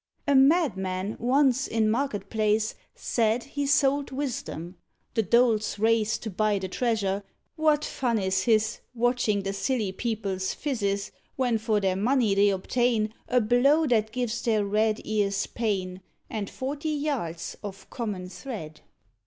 A Madman once, in market place, Said he sold Wisdom. The dolts race To buy the treasure. What fun is his, Watching the silly people's phizzes, When for their money they obtain A blow that gives their red ears pain, And forty yards of common thread.